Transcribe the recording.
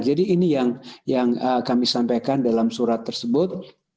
jadi ini yang kami sampaikan dalam surat tersebut